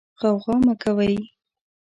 غوغا مه کوئ.